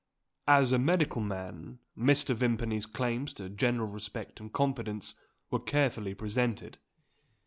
As a medical man, Mr. Vimpany's claims to general respect and confidence were carefully presented.